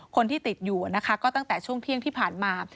คนที่ติดอยู่นะคะก็ตั้งแต่ช่วงเที่ยงที่ผ่านมา